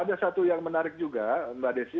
ada satu yang menarik juga mbak desi